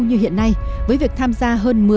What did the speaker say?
như hiện nay với việc tham gia hơn một mươi